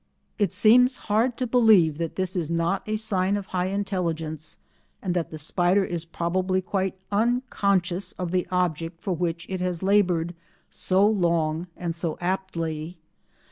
It seems hard to believe that this is not a sign of high intelligence and that the spider is probably quite unconscious of the object for which it has laboured so long and so aptly.